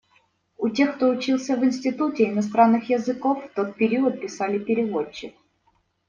У тех, кто учился в Институте иностранных языков в тот период писали «переводчик».